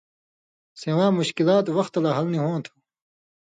سِواں مشکلات وختہ لا حل نی ہوں تھو